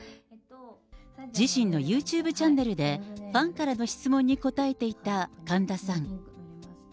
自身のユーチューブチャンネルで、ファンからの質問に答えていた神田さん。